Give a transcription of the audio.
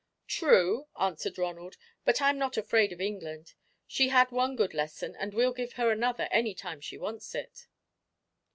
"True," answered Ronald; "but I'm not afraid of England. She's had one good lesson, and we'll give her another any time she wants it."